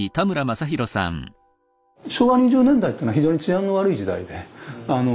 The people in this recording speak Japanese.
昭和２０年代っていうのは非常に治安が悪い時代であの。